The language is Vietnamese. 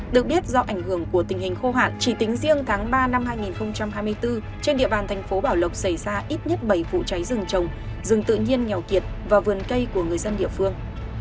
được biết do ảnh hưởng của tình hình khô hạn chỉ tính riêng tháng ba năm hai nghìn hai mươi bốn trên địa bàn thành phố bảo lộc xảy ra ít nhất bảy vụ cháy rừng trồng rừng tự nhiên nghèo kiệt và vườn cây của người dân địa phương